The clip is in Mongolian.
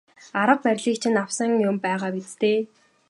Арга барилыг чинь авсан юм байгаа биз дээ.